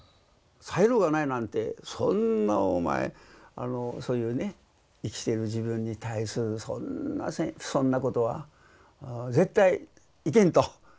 才能がないなんてそんなお前そういうね生きている自分に対するそんなことは絶対いけんと。